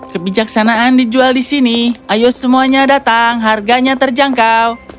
kebijaksanaan dijual di sini ayo semuanya datang harganya terjangkau